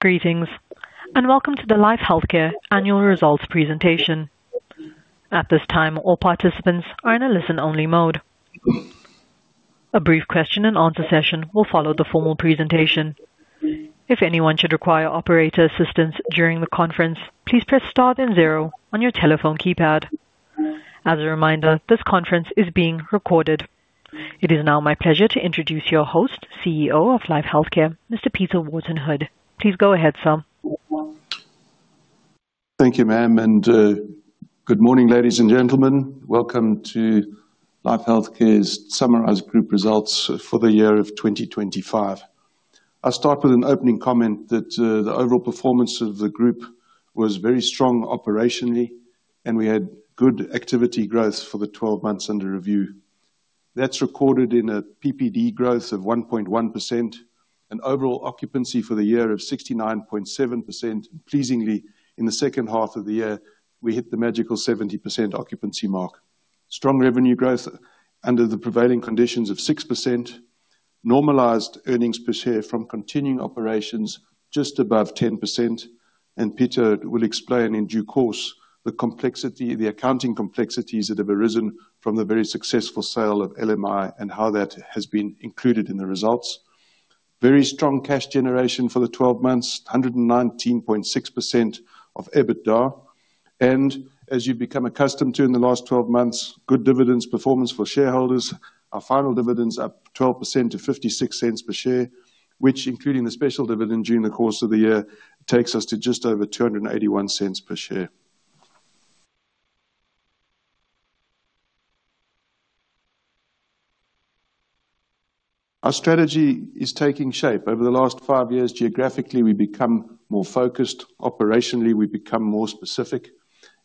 Greetings, and welcome to the Life Healthcare Annual Results Presentation. At this time, all participants are in a listen-only mode. A brief question-and-answer session will follow the formal presentation. If anyone should require operator assistance during the conference, please press star then zero on your telephone keypad. As a reminder, this conference is being recorded. It is now my pleasure to introduce your host, CEO of Life Healthcare, Mr. Peter Wharton-Hood. Please go ahead, sir. Thank you, ma'am, and good morning, ladies and gentlemen. Welcome to Life Healthcare's summarized group results for the year of 2025. I'll start with an opening comment that the overall performance of the group was very strong operationally, and we had good activity growth for the 12 months under review. That's recorded in a PPD growth of 1.1%, an overall occupancy for the year of 69.7%, and pleasingly, in the second half of the year, we hit the magical 70% occupancy mark. Strong revenue growth under the prevailing conditions of 6%, normalized earnings per share from continuing operations just above 10%, and Peter will explain in due course the complexity, the accounting complexities that have arisen from the very successful sale of LMI and how that has been included in the results. Very strong cash generation for the 12 months, 119.6% of EBITDA, and as you've become accustomed to in the last 12 months, good dividends performance for shareholders. Our final dividends are 12% to 0.56 per share, which, including the special dividend during the course of the year, takes us to just over 2.81 per share. Our strategy is taking shape. Over the last five years, geographically, we've become more focused; operationally, we've become more specific.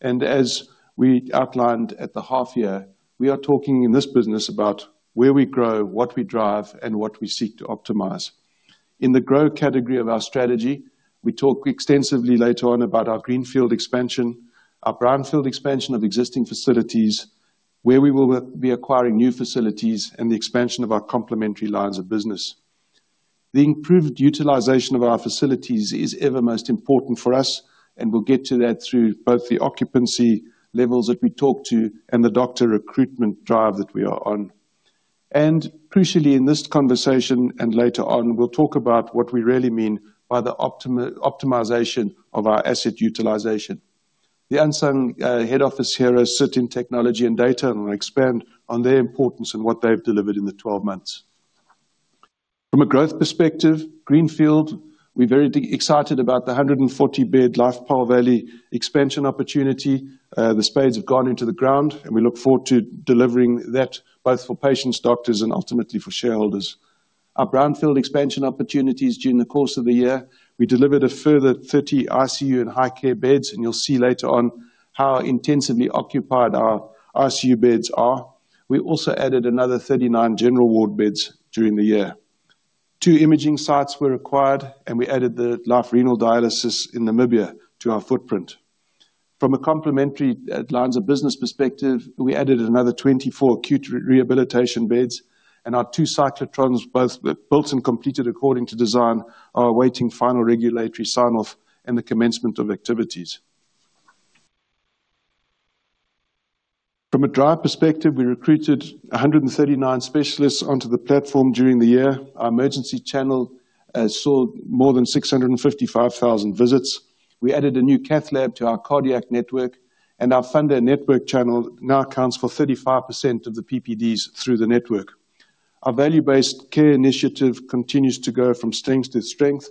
As we outlined at the half-year, we are talking in this business about where we grow, what we drive, and what we seek to optimize. In the grow category of our strategy, we talk extensively later on about our greenfield expansion, our brownfield expansion of existing facilities, where we will be acquiring new facilities, and the expansion of our complementary lines of business. The improved utilization of our facilities is ever most important for us, and we will get to that through both the occupancy levels that we talk to and the doctor recruitment drive that we are on. Crucially, in this conversation and later on, we will talk about what we really mean by the optimization of our asset utilization. The unsung Head Office heroes sit in technology and data and will expand on their importance and what they have delivered in the 12 months. From a growth perspective, greenfield, we are very excited about the 140-bed Life Paarl Valley expansion opportunity. The spades have gone into the ground, and we look forward to delivering that both for patients, doctors, and ultimately for shareholders. Our brownfield expansion opportunities during the course of the year, we delivered a further 30 ICU and high-care beds, and you will see later on how intensively occupied our ICU beds are. We also added another 39 general ward beds during the year. Two imaging sites were acquired, and we added the Life Renal Dialysis in Namibia to our footprint. From a complementary lines of business perspective, we added another 24 acute rehabilitation beds, and our two cyclotrons, both built and completed according to design, are awaiting final regulatory sign-off and the commencement of activities. From a dry perspective, we recruited 139 specialists onto the platform during the year. Our emergency channel saw more than 655,000 visits. We added a new Cath Lab to our cardiac network, and our funder network channel now accounts for 35% of the PPDs through the network. Our value-based care initiative continues to go from strength to strength.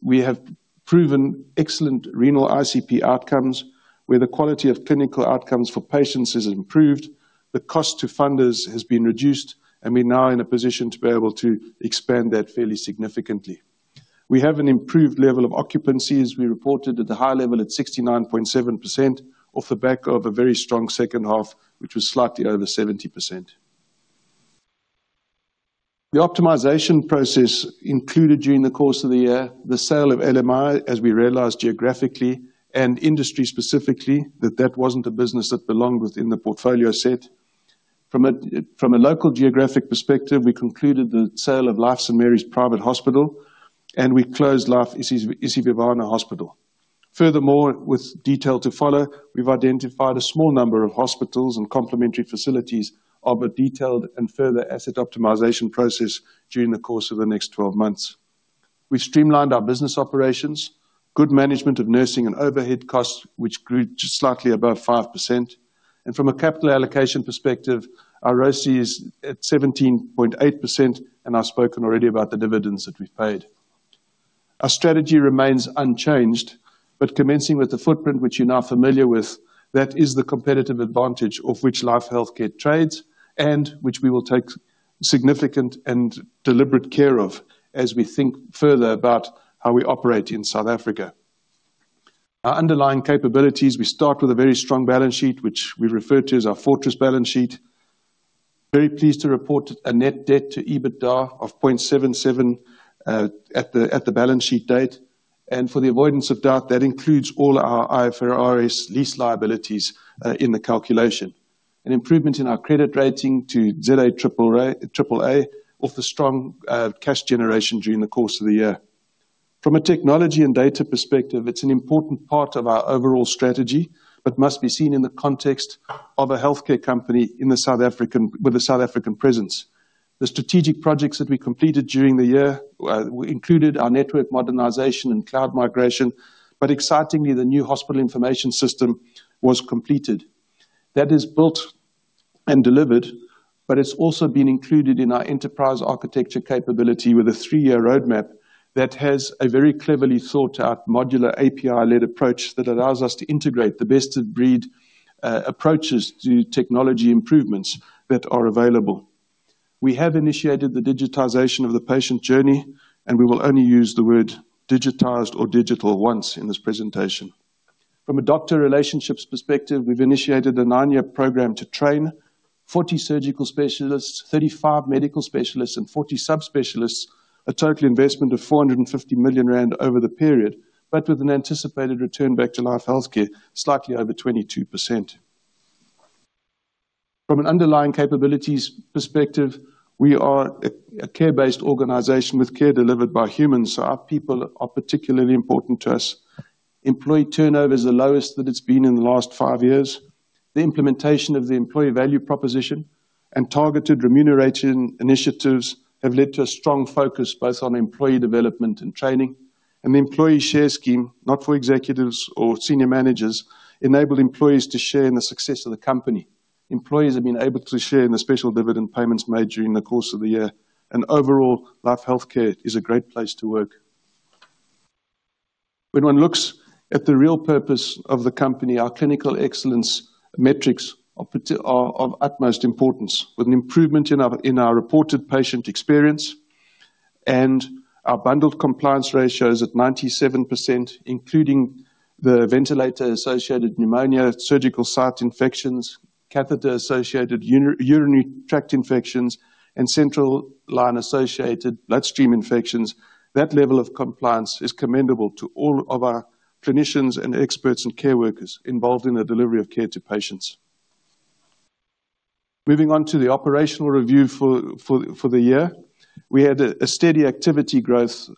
We have proven excellent renal ICP outcomes, where the quality of clinical outcomes for patients has improved, the cost to funders has been reduced, and we're now in a position to be able to expand that fairly significantly. We have an improved level of occupancies. We reported at the high level at 69.7% off the back of a very strong second half, which was slightly over 70%. The optimization process included during the course of the year the sale of LMI, as we realized geographically and industry specifically, that that wasn't a business that belonged within the portfolio set. From a local geographic perspective, we concluded the sale of Life St. Mary's Private Hospital, and we closed Life Isibindi Hospital. Furthermore, with detail to follow, we've identified a small number of hospitals and complementary facilities of a detailed and further asset optimization process during the course of the next 12 months. We've streamlined our business operations, good management of nursing and overhead costs, which grew slightly above 5%. From a capital allocation perspective, our ROIC is at 17.8%, and I've spoken already about the dividends that we've paid. Our strategy remains unchanged, commencing with the footprint, which you're now familiar with, that is the competitive advantage of which Life Healthcare trades and which we will take significant and deliberate care of as we think further about how we operate in South Africa. Our underlying capabilities, we start with a very strong balance sheet, which we refer to as our fortress balance sheet. Very pleased to report a net debt to EBITDA of 0.77 at the balance sheet date. For the avoidance of doubt, that includes all our IFRS lease liabilities in the calculation. An improvement in our credit rating to AA(ZA) of the strong cash generation during the course of the year. From a technology and data perspective, it's an important part of our overall strategy, but must be seen in the context of a healthcare company with a South African presence. The strategic projects that we completed during the year included our network modernization and cloud migration, but excitingly, the new hospital information system was completed. That is built and delivered, but it's also been included in our enterprise architecture capability with a three-year roadmap that has a very cleverly thought-out modular API-led approach that allows us to integrate the best-of-breed approaches to technology improvements that are available. We have initiated the digitization of the patient journey, and we will only use the word digitized or digital once in this presentation. From a doctor relationships perspective, we've initiated a nine-year program to train 40 surgical specialists, 35 medical specialists, and 40 subspecialists, a total investment of 450 million rand over the period, but with an anticipated return back to Life Healthcare slightly over 22%. From an underlying capabilities perspective, we are a care-based organization with care delivered by humans, so our people are particularly important to us. Employee turnover is the lowest that it's been in the last five years. The implementation of the employee value proposition and targeted remuneration initiatives have led to a strong focus both on employee development and training. The employee share scheme, not for executives or senior managers, enabled employees to share in the success of the company. Employees have been able to share in the special dividend payments made during the course of the year, and overall, Life Healthcare is a great place to work. When one looks at the real purpose of the company, our clinical excellence metrics are of utmost importance, with an improvement in our reported patient experience and our bundled compliance ratios at 97%, including the ventilator-associated pneumonia, surgical site infections, catheter-associated urinary tract infections, and central line-associated bloodstream infections. That level of compliance is commendable to all of our clinicians and experts and care workers involved in the delivery of care to patients. Moving on to the operational review for the year, we had a steady activity growth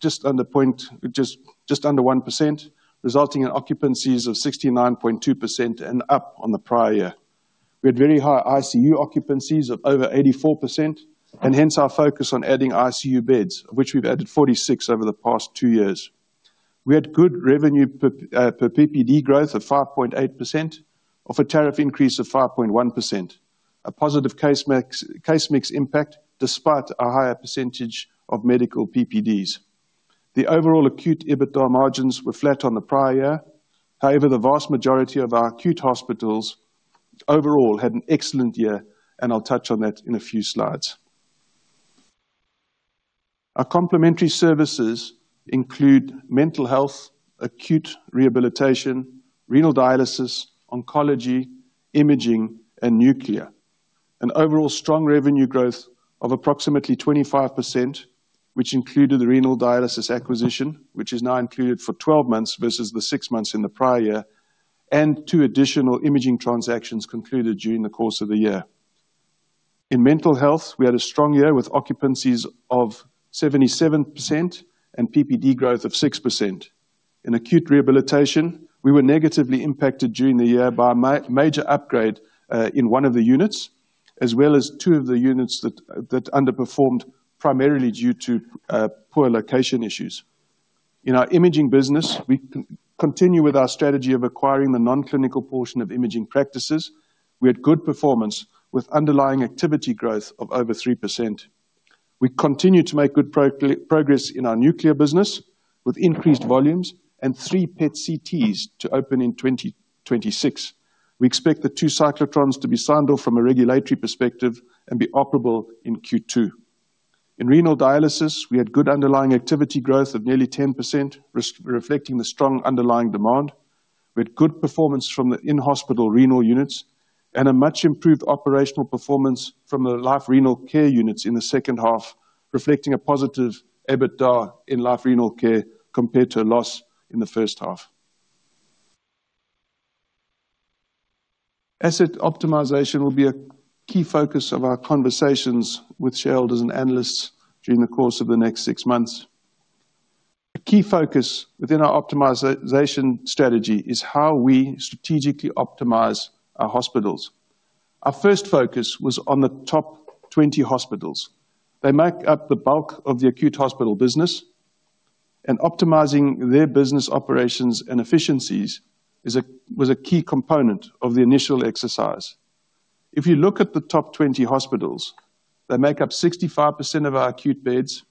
just under 1%, resulting in occupancies of 69.2% and up on the prior year. We had very high ICU occupancies of over 84%, and hence our focus on adding ICU beds, which we've added 46 over the past two years. We had good revenue per PPD growth of 5.8%, of a tariff increase of 5.1%, a positive case mix impact despite our higher percentage of medical PPDs. The overall acute EBITDA margins were flat on the prior year. However, the vast majority of our acute hospitals overall had an excellent year, and I'll touch on that in a few slides. Our complementary services include mental health, acute rehabilitation, renal dialysis, oncology, imaging, and nuclear. An overall strong revenue growth of approximately 25%, which included the renal dialysis acquisition, which is now included for 12 months versus the six months in the prior year, and two additional imaging transactions concluded during the course of the year. In mental health, we had a strong year with occupancies of 77% and PPD growth of 6%. In acute rehabilitation, we were negatively impacted during the year by a major upgrade in one of the units, as well as two of the units that underperformed primarily due to poor location issues. In our imaging business, we continue with our strategy of acquiring the non-clinical portion of imaging practices. We had good performance with underlying activity growth of over 3%. We continue to make good progress in our nuclear business with increased volumes and three PET CTs to open in 2026. We expect the two cyclotrons to be signed off from a regulatory perspective and be operable in Q2. In renal dialysis, we had good underlying activity growth of nearly 10%, reflecting the strong underlying demand. We had good performance from the in-hospital renal units and a much improved operational performance from the Life RenalCare units in the second half, reflecting a positive EBITDA in Life RenalCare compared to a loss in the first half. Asset optimization will be a key focus of our conversations with shareholders and analysts during the course of the next six months. A key focus within our optimization strategy is how we strategically optimize our hospitals. Our first focus was on the top 20 hospitals. They make up the bulk of the acute hospital business, and optimizing their business operations and efficiencies was a key component of the initial exercise. If you look at the top 20 hospitals, they make up 65% of our acute beds.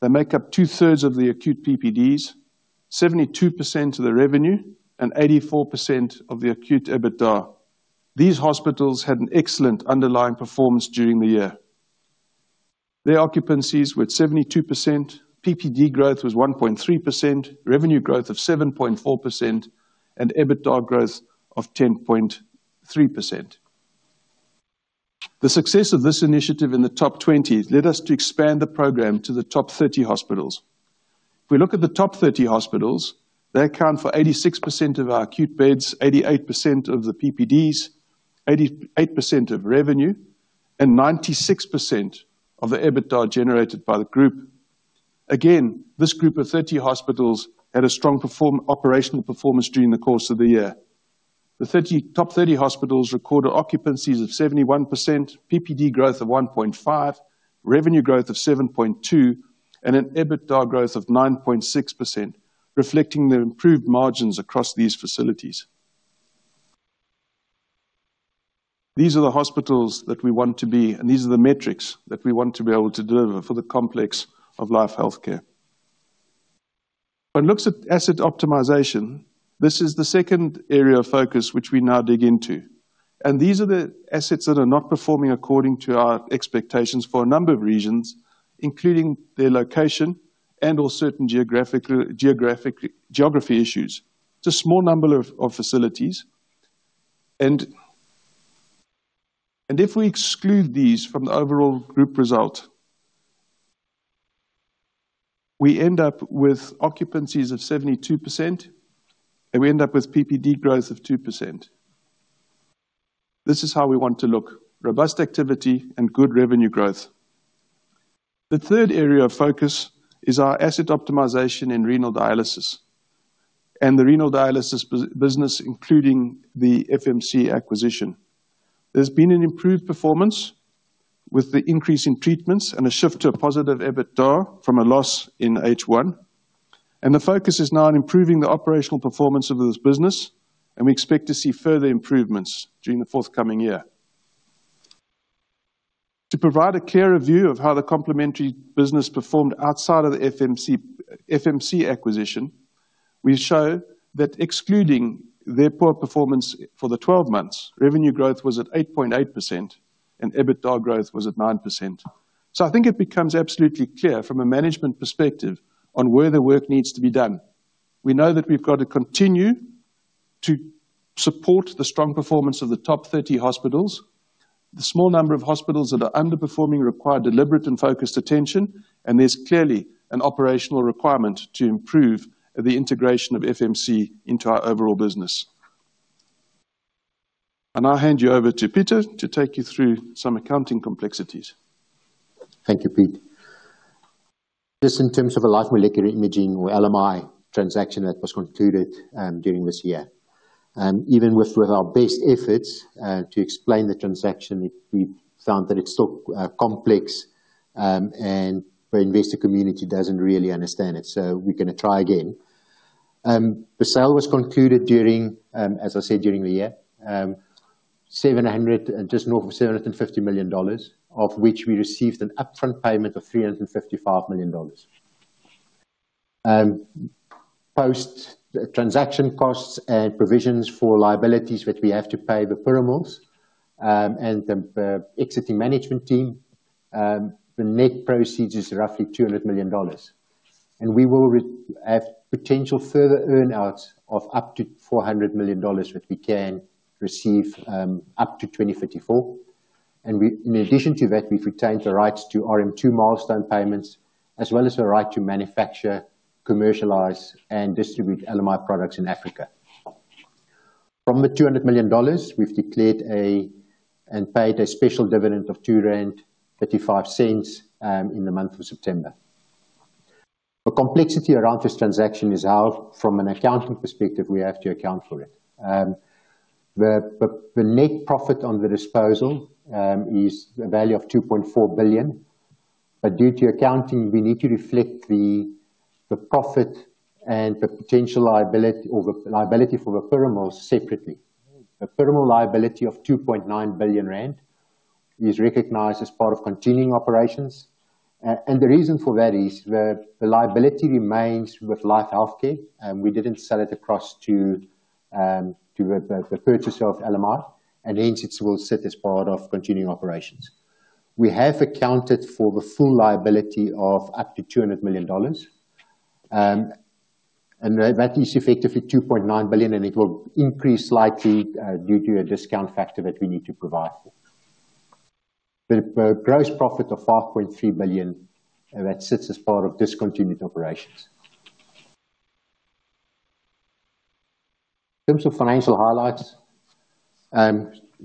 They make up two-thirds of the acute PPDs, 72% of the revenue, and 84% of the acute EBITDA. These hospitals had an excellent underlying performance during the year. Their occupancies were 72%, PPD growth was 1.3%, revenue growth of 7.4%, and EBITDA growth of 10.3%. The success of this initiative in the top 20 led us to expand the program to the top 30 hospitals. If we look at the top 30 hospitals, they account for 86% of our acute beds, 88% of the PPDs, 88% of revenue, and 96% of the EBITDA generated by the group. Again, this group of 30 hospitals had a strong operational performance during the course of the year. The top 30 hospitals recorded occupancies of 71%, PPD growth of 1.5%, revenue growth of 7.2%, and an EBITDA growth of 9.6%, reflecting the improved margins across these facilities. These are the hospitals that we want to be, and these are the metrics that we want to be able to deliver for the complex of Life Healthcare. When one looks at asset optimization, this is the second area of focus which we now dig into. These are the assets that are not performing according to our expectations for a number of reasons, including their location and/or certain geography issues. It is a small number of facilities. If we exclude these from the overall group result, we end up with occupancies of 72%, and we end up with PPD growth of 2%. This is how we want to look: robust activity and good revenue growth. The third area of focus is our asset optimization in renal dialysis and the renal dialysis business, including the FMC acquisition. There's been an improved performance with the increase in treatments and a shift to a positive EBITDA from a loss in H1. The focus is now on improving the operational performance of this business, and we expect to see further improvements during the forthcoming year. To provide a clearer view of how the complementary business performed outside of the FMC acquisition, we show that excluding their poor performance for the 12 months, revenue growth was at 8.8% and EBITDA growth was at 9%. I think it becomes absolutely clear from a management perspective on where the work needs to be done. We know that we've got to continue to support the strong performance of the top 30 hospitals. The small number of hospitals that are underperforming require deliberate and focused attention, and there's clearly an operational requirement to improve the integration of FMC into our overall business. I'll hand you over to Pieter to take you through some accounting complexities. Thank you, Peter. Just in terms of a Life Molecular Imaging or LMI transaction that was concluded during this year. Even with our best efforts to explain the transaction, we found that it's still complex and the investor community doesn't really understand it, so we're going to try again. The sale was concluded during, as I said, during the year, just north of $750 million, of which we received an upfront payment of $355 million. Post transaction costs and provisions for liabilities that we have to pay the earnouts and the exiting management team, the net proceeds is roughly $200 million. We will have potential further earnouts of up to $400 million that we can receive up to 2054. In addition to that, we have retained the rights to RM2 milestone payments, as well as the right to manufacture, commercialize, and distribute LMI products in Africa. From the $200 million, we have declared and paid a special dividend of $0.0235 in the month of September. The complexity around this transaction is how, from an accounting perspective, we have to account for it. The net profit on the disposal is a value of 2.4 billion, but due to accounting, we need to reflect the profit and the potential liability or the liability for the firm separately. The earnout liability of 2.9 billion rand is recognized as part of continuing operations. The reason for that is the liability remains with Life Healthcare, and we did not sell it across to the purchaser of LMI, and hence it will sit as part of continuing operations. We have accounted for the full liability of up to $200 million. That is effectively 2.9 billion, and it will increase slightly due to a discount factor that we need to provide. The gross profit of 5.3 billion sits as part of discontinued operations. In terms of financial highlights,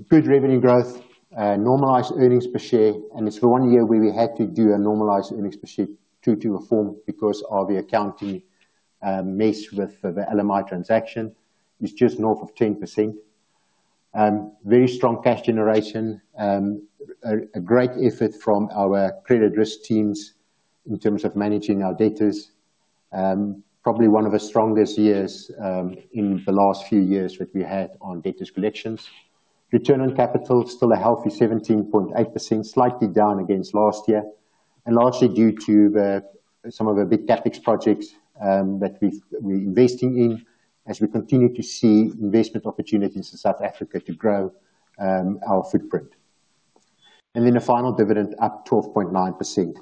good revenue growth, normalized earnings per share, and it is the one year where we had to do a normalized earnings per share due to reform because of the accounting mess with the LMI transaction, which is just north of 10%. Very strong cash generation, a great effort from our credit risk teams in terms of managing our debtors. Probably one of the strongest years in the last few years that we had on debtors collections. Return on capital is still a healthy 17.8%, slightly down against last year, and largely due to some of the big CapEx projects that we're investing in as we continue to see investment opportunities in South Africa to grow our footprint. The final dividend, up 12.9%,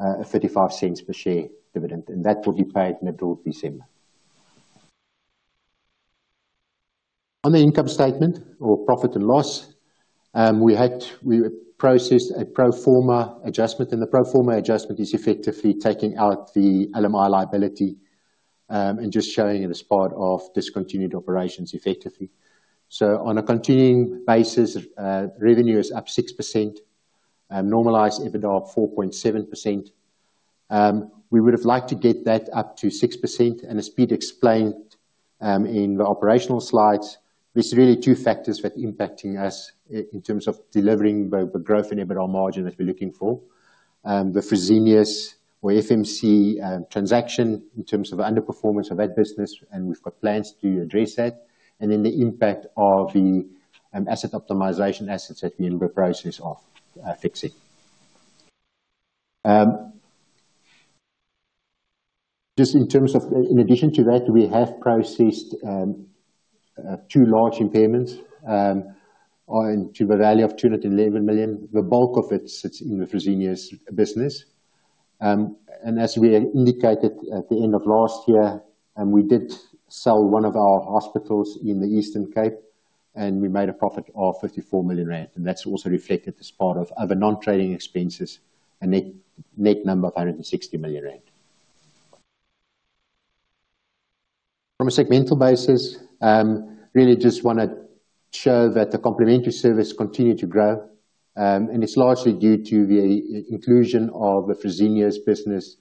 a 0.35 per share dividend, and that will be paid in April, December. On the income statement or profit and loss, we processed a pro forma adjustment, and the pro forma adjustment is effectively taking out the LMI liability and just showing it as part of discontinued operations effectively. On a continuing basis, revenue is up 6%, normalized EBITDA of 4.7%. We would have liked to get that up to 6%, and as Peter explained in the operational slides, there are really two factors that are impacting us in terms of delivering the growth in EBITDA margin that we are looking for: the Fresenius or FMC transaction in terms of underperformance of that business, and we have plans to address that. The impact of the asset optimization assets that we are in the process of fixing is also a factor. Just in addition to that, we have processed two large impairments to the value of 211 million. The bulk of it sits in the Fresenius business. As we indicated at the end of last year, we did sell one of our hospitals in the Eastern Cape, and we made a profit of 54 million rand, and that is also reflected as part of other non-trading expenses, a net number of 160 million rand. From a segmental basis, really just want to show that the complementary service continued to grow, and it's largely due to the inclusion of the Fresenius business.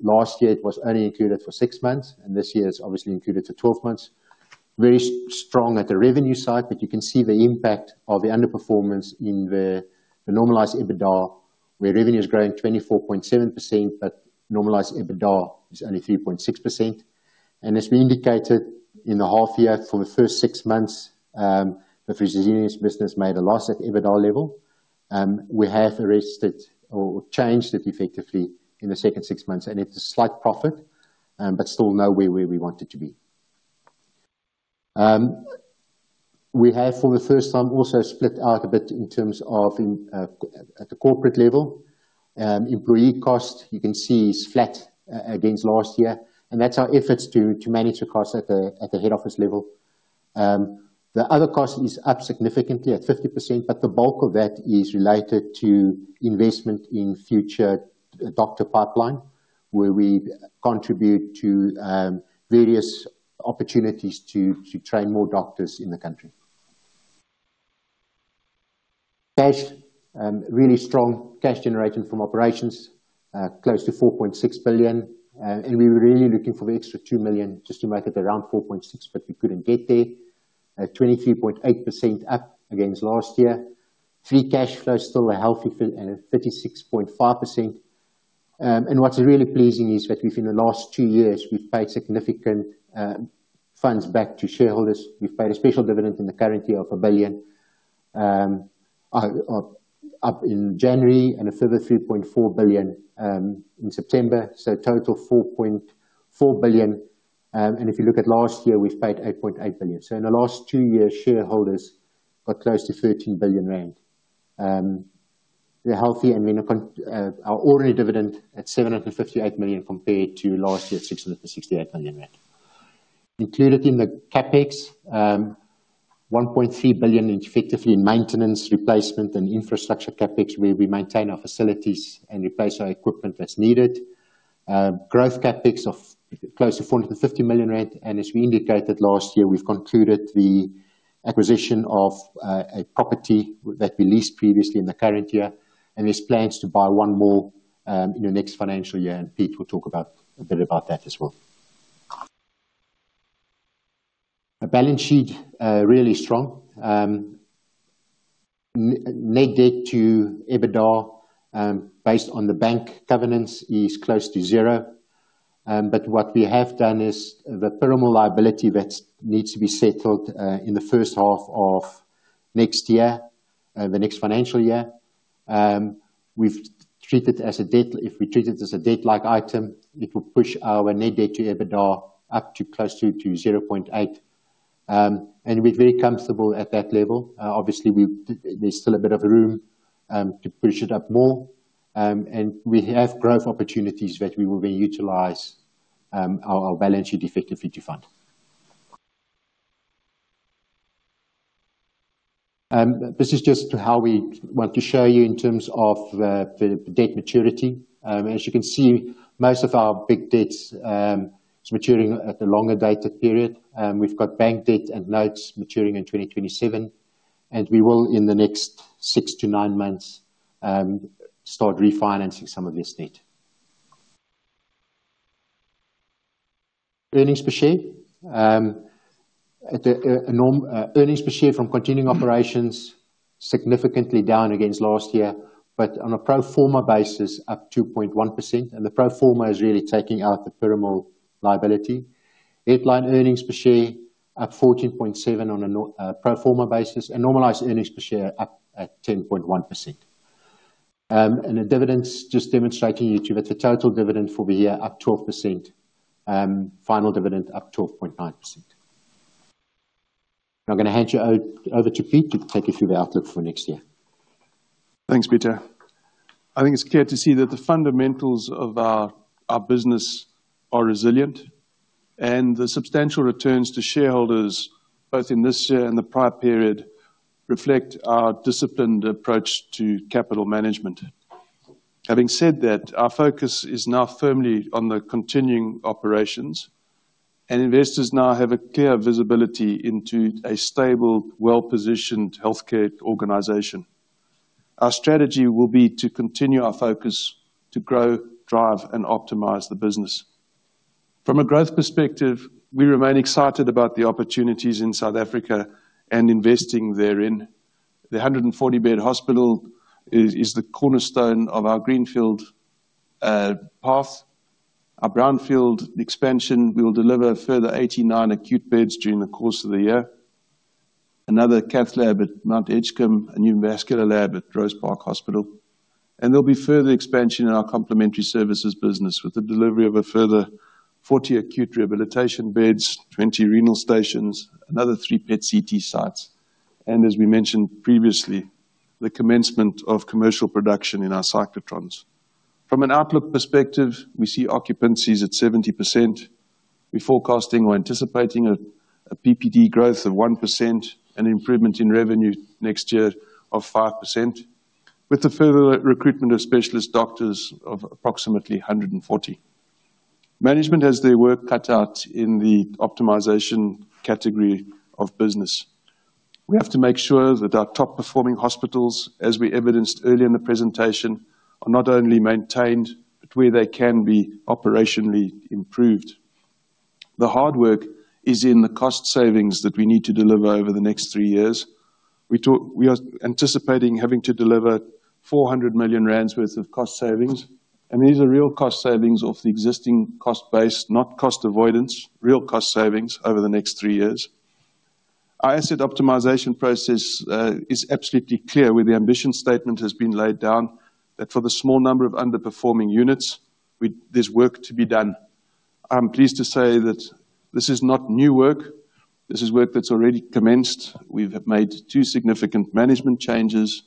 Last year, it was only included for six months, and this year is obviously included for 12 months. Very strong at the revenue side, but you can see the impact of the underperformance in the normalized EBITDA, where revenue is growing 24.7%, but normalized EBITDA is only 3.6%. As we indicated in the half year, for the first six months, the Fresenius business made a loss at EBITDA level. We have arrested or changed it effectively in the second six months, and it's a slight profit, but still nowhere where we wanted to be. We have, for the first time, also split out a bit in terms of at the corporate level. Employee cost, you can see, is flat against last year, and that's our efforts to manage the cost at the head office level. The other cost is up significantly at 50%, but the bulk of that is related to investment in future doctor pipeline, where we contribute to various opportunities to train more doctors in the country. Cash, really strong cash generating from operations, close to 4.6 billion, and we were really looking for the extra 2 million just to make it around 4.6 billion, but we couldn't get there. 23.8% up against last year. Free cash flow is still a healthy 36.5%. What's really pleasing is that within the last two years, we've paid significant funds back to shareholders. We've paid a special dividend in the current year of 1 billion, up in January and a further 3.4 billion in September, so total 4.4 billion. If you look at last year, we've paid 8.8 billion. In the last two years, shareholders got close to 13 billion rand. They're healthy, and our ordinary dividend at 758 million compared to last year at 668 million rand. Included in the CapEx, 1.3 billion is effectively in maintenance, replacement, and infrastructure CapEx, where we maintain our facilities and replace our equipment as needed. Growth CapEx of close to 450 million rand, and as we indicated last year, we've concluded the acquisition of a property that we leased previously in the current year, and there's plans to buy one more in the next financial year, and Peter will talk a bit about that as well. The balance sheet is really strong. Net debt to EBITDA, based on the bank governance, is close to zero. What we have done is the earnout liability that needs to be settled in the first half of next year, the next financial year, we've treated as a debt. If we treat it as a debt-like item, it will push our net debt to EBITDA up to close to 0.8. We're very comfortable at that level. Obviously, there's still a bit of room to push it up more, and we have growth opportunities that we will then utilize our balance sheet effectively to fund. This is just how we want to show you in terms of debt maturity. As you can see, most of our big debts are maturing at a longer dated period. We've got bank debt and notes maturing in 2027, and we will, in the next six to nine months, start refinancing some of this debt. Earnings per share. Earnings per share from continuing operations are significantly down against last year, but on a pro forma basis, up 2.1%. The pro forma is really taking out the earnout liability. Headline earnings per share are 14.7% on a pro forma basis, and normalized earnings per share are up at 10.1%. The dividends just demonstrating to you that the total dividend for the year is up 12%. Final dividend is up 12.9%. I'm going to hand you over to Peter to take you through the outlook for next year. Thanks, Pieter. I think it's clear to see that the fundamentals of our business are resilient, and the substantial returns to shareholders, both in this year and the prior period, reflect our disciplined approach to capital management. Having said that, our focus is now firmly on the continuing operations, and investors now have a clear visibility into a stable, well-positioned healthcare organization. Our strategy will be to continue our focus to grow, drive, and optimize the business. From a growth perspective, we remain excited about the opportunities in South Africa and investing therein. The 140-bed hospital is the cornerstone of our greenfield path. Our brownfield expansion will deliver a further 89 acute beds during the course of the year. Another Cath Lab at Mount Edgecombe, a new vascular lab at Rosepark Hospital. There will be further expansion in our complementary services business with the delivery of a further 40 acute rehabilitation beds, 20 renal stations, another three PET CT sites, and, as we mentioned previously, the commencement of commercial production in our cyclotrons. From an outlook perspective, we see occupancies at 70%. We're forecasting or anticipating a PPD growth of 1% and an improvement in revenue next year of 5%, with the further recruitment of specialist doctors of approximately 140. Management has their work cut out in the optimization category of business. We have to make sure that our top-performing hospitals, as we evidenced earlier in the presentation, are not only maintained but where they can be operationally improved. The hard work is in the cost savings that we need to deliver over the next three years. We are anticipating having to deliver 400 million rand worth of cost savings, and these are real cost savings off the existing cost base, not cost avoidance, real cost savings over the next three years. Our asset optimization process is absolutely clear where the ambition statement has been laid down that for the small number of underperforming units, there's work to be done. I'm pleased to say that this is not new work. This is work that's already commenced. We've made two significant management changes.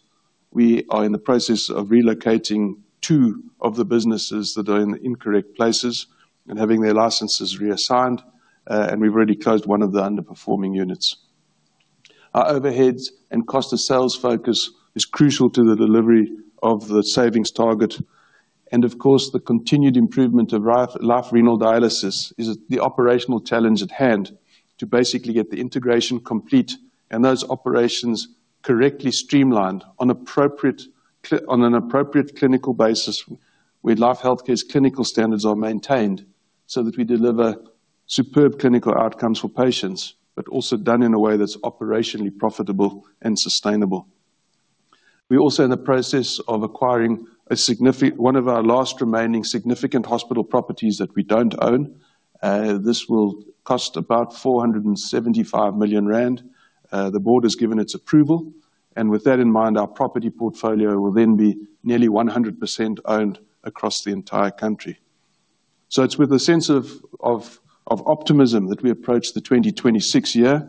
We are in the process of relocating two of the businesses that are in incorrect places and having their licenses reassigned, and we've already closed one of the underperforming units. Our overheads and cost of sales focus is crucial to the delivery of the savings target. The continued improvement of Life Renal Dialysis is the operational challenge at hand to basically get the integration complete and those operations correctly streamlined on an appropriate clinical basis where Life Healthcare's clinical standards are maintained so that we deliver superb clinical outcomes for patients, but also done in a way that's operationally profitable and sustainable. We're also in the process of acquiring one of our last remaining significant hospital properties that we don't own. This will cost about 475 million rand. The board has given its approval, and with that in mind, our property portfolio will then be nearly 100% owned across the entire country. It is with a sense of optimism that we approach the 2026 year,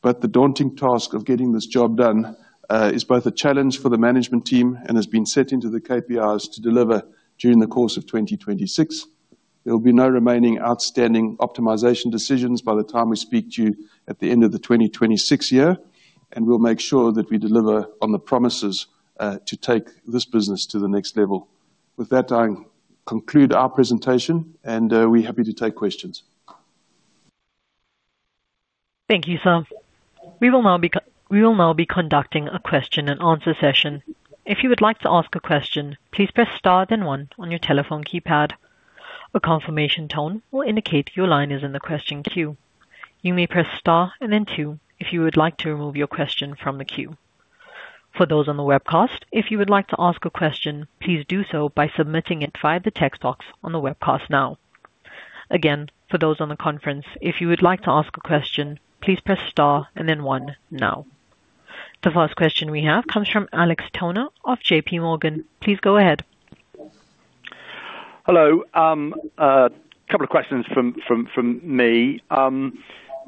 but the daunting task of getting this job done is both a challenge for the management team and has been set into the KPIs to deliver during the course of 2026. There will be no remaining outstanding optimization decisions by the time we speak to you at the end of the 2026 year, and we will make sure that we deliver on the promises to take this business to the next level. With that, I conclude our presentation, and we are happy to take questions. Thank you, sir. We will now be conducting a Question-and-Answer session. If you would like to ask a question, please press star then one on your telephone keypad. A confirmation tone will indicate your line is in the question queue. You may press star and then two if you would like to remove your question from the queue. For those on the webcast, if you would like to ask a question, please do so by submitting it via the text box on the webcast now. Again, for those on the conference, if you would like to ask a question, please press star and then one now. The first question we have comes from Alex Toner of J.P. Morgan. Please go ahead. Hello. A couple of questions from me.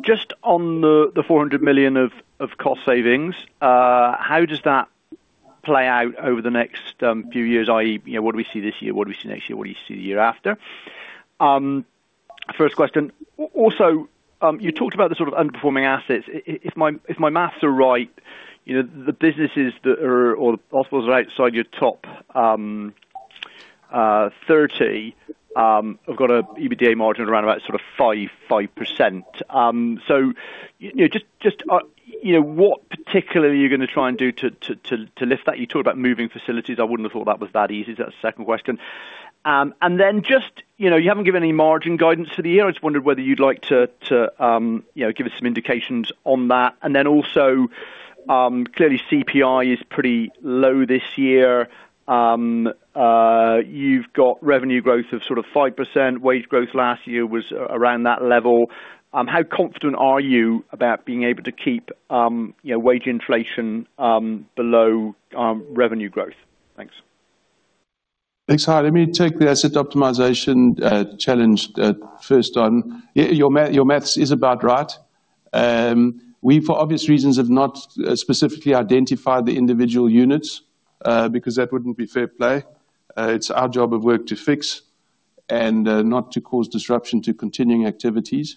Just on the 400 million of cost savings, how does that play out over the next few years, i.e., what do we see this year, what do we see next year, what do you see the year after? First question. Also, you talked about the sort of underperforming assets. If my maths are right, the businesses or the hospitals are outside your top 30. I've got an EBITDA margin of around about sort of 5%. Just what particularly are you going to try and do to lift that? You talked about moving facilities. I wouldn't have thought that was that easy. That is the second question. You haven't given any margin guidance for the year. I just wondered whether you'd like to give us some indications on that. Also, clearly, CPI is pretty low this year. You've got revenue growth of sort of 5%. Wage growth last year was around that level. How confident are you about being able to keep wage inflation below revenue growth? Thanks. Thanks, hi. Let me take the asset optimization challenge first on. Your maths is about right. We, for obvious reasons, have not specifically identified the individual units because that would not be fair play. It is our job of work to fix and not to cause disruption to continuing activities.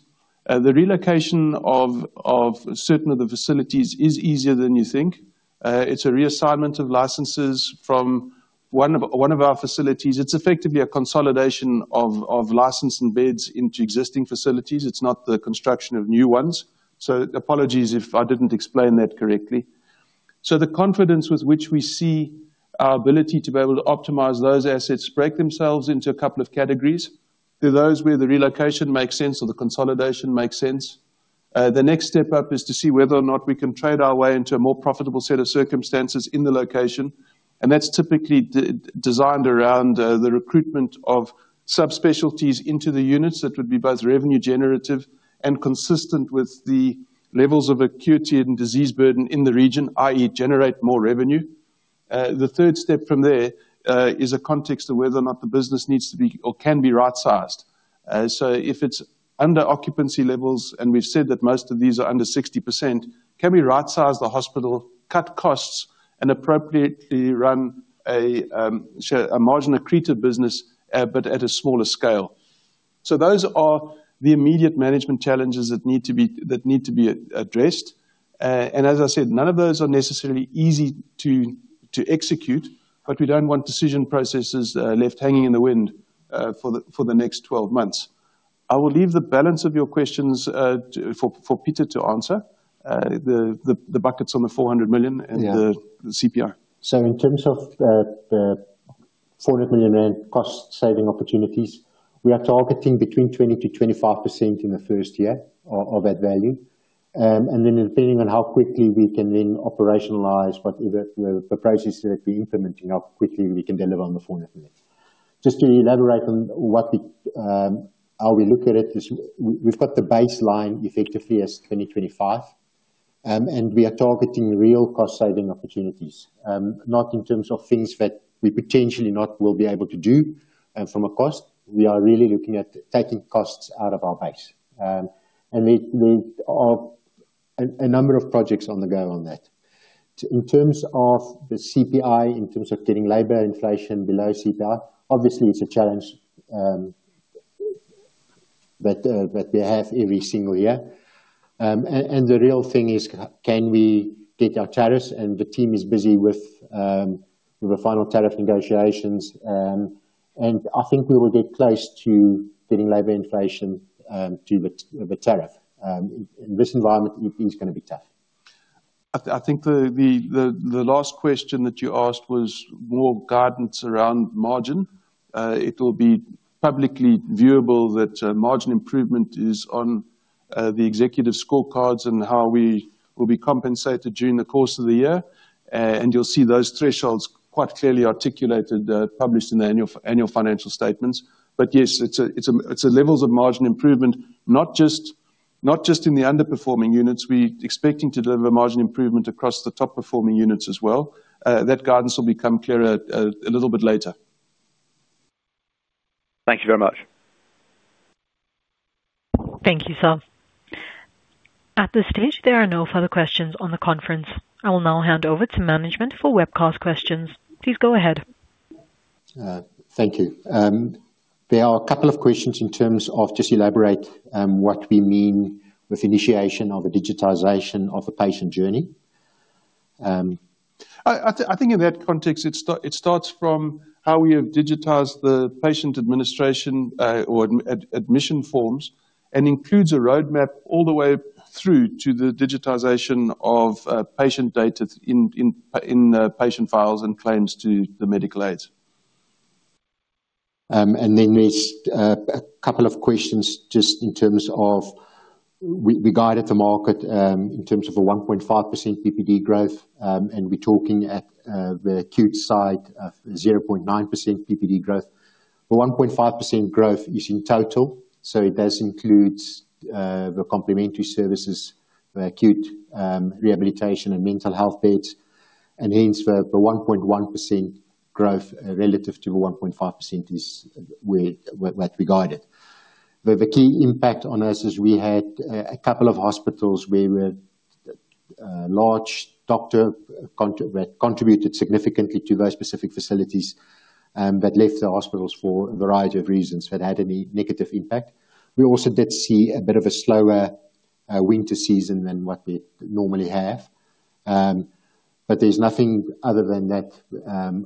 The relocation of certain of the facilities is easier than you think. It is a reassignment of licenses from one of our facilities. It is effectively a consolidation of licensed beds into existing facilities. It is not the construction of new ones. Apologies if I did not explain that correctly. The confidence with which we see our ability to be able to optimize those assets break themselves into a couple of categories. They're those where the relocation makes sense or the consolidation makes sense. The next step up is to see whether or not we can trade our way into a more profitable set of circumstances in the location. That's typically designed around the recruitment of subspecialties into the units that would be both revenue-generative and consistent with the levels of acuity and disease burden in the region, i.e., generate more revenue. The third step from there is a context of whether or not the business needs to be or can be right-sized. If it's under occupancy levels, and we've said that most of these are under 60%, can we right-size the hospital, cut costs, and appropriately run a margin-accreted business but at a smaller scale? Those are the immediate management challenges that need to be addressed. As I said, none of those are necessarily easy to execute, but we do not want decision processes left hanging in the wind for the next 12 months. I will leave the balance of your questions for Pieter to answer, the buckets on the 400 million and the CPI. In terms of the 400 million rand cost-saving opportunities, we are targeting between 20%-25% in the first year of that value. Depending on how quickly we can then operationalize whatever the processes that we are implementing, how quickly we can deliver on the 400 million. Just to elaborate on how we look at it, we have got the baseline effectively as 2025, and we are targeting real cost-saving opportunities, not in terms of things that we potentially will not be able to do from a cost. We are really looking at taking costs out of our base. We have a number of projects on the go on that. In terms of the CPI, in terms of getting labor inflation below CPI, obviously, it's a challenge that we have every single year. The real thing is, can we get our tariffs? The team is busy with the final tariff negotiations. I think we will get close to getting labor inflation to the tariff. In this environment, it is going to be tough. I think the last question that you asked was more guidance around margin. It will be publicly viewable that margin improvement is on the executive scorecards and how we will be compensated during the course of the year. You will see those thresholds quite clearly articulated, published in the annual financial statements. Yes, it's the levels of margin improvement, not just in the underperforming units. We're expecting to deliver margin improvement across the top-performing units as well. That guidance will become clearer a little bit later. Thank you very much. Thank you, sir. At this stage, there are no further questions on the conference. I will now hand over to management for webcast questions. Please go ahead. Thank you. There are a couple of questions in terms of just elaborate what we mean with initiation of the digitization of the patient journey. I think in that context, it starts from how we have digitized the patient administration or admission forms and includes a roadmap all the way through to the digitization of patient data in patient files and claims to the medical aides. There are a couple of questions just in terms of we guided the market in terms of a 1.5% PPD growth, and we're talking at the acute side of 0.9% PPD growth. The 1.5% growth is in total, so it does include the complementary services, the acute rehabilitation, and mental health beds. Hence, the 1.1% growth relative to the 1.5% is what we guided. The key impact on us is we had a couple of hospitals where a large doctor that contributed significantly to those specific facilities left the hospitals for a variety of reasons, which had a negative impact. We also did see a bit of a slower winter season than what we normally have. There is nothing other than that,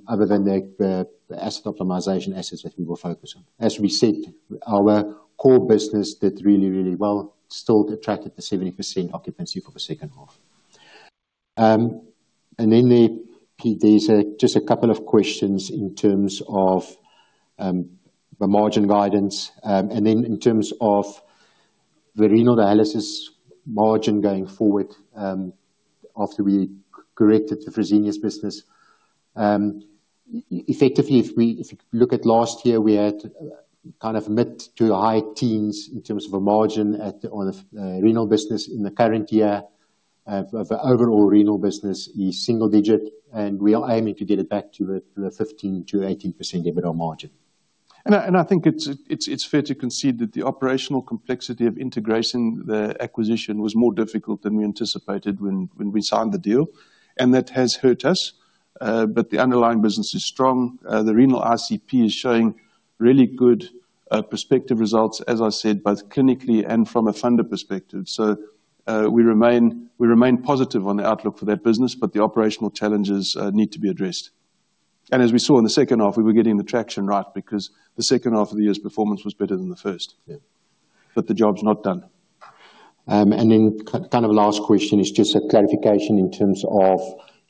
other than the asset optimization assets that we will focus on. As we said, our core business did really, really well. It still attracted the 70% occupancy for the second half. There are just a couple of questions in terms of the margin guidance. In terms of the renal dialysis margin going forward after we corrected the Fresenius business, effectively, if you look at last year, we had kind of mid to high teens in terms of a margin on the renal business. In the current year, the overall renal business is single digit, and we are aiming to get it back to the 15%-18% of our margin. I think it is fair to concede that the operational complexity of integration, the acquisition, was more difficult than we anticipated when we signed the deal, and that has hurt us. The underlying business is strong. The renal ICP is showing really good prospective results, as I said, both clinically and from a funder perspective. We remain positive on the outlook for that business, but the operational challenges need to be addressed. As we saw in the second half, we were getting the traction right because the second half of the year's performance was better than the first. The job's not done. The last question is just a clarification in terms of,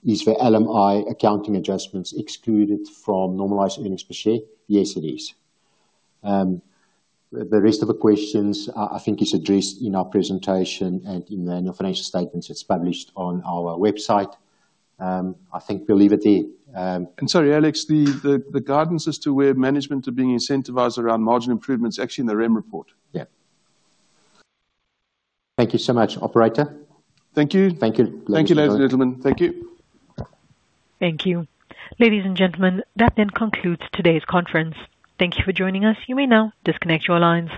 is the LMI accounting adjustments excluded from normalized earnings per share? Yes, it is. The rest of the questions, I think, is addressed in our presentation and in the annual financial statements that's published on our website. I think we'll leave it there. Sorry, Alex, the guidance as to where management are being incentivized around margin improvement is actually in the Remuneration report. Yeah. Thank you so much, Operator. Thank you. Thank you. Thank you, ladies and gentlemen. Thank you. Thank you. Ladies and gentlemen, that then concludes today's conference. Thank you for joining us. You may now disconnect your lines.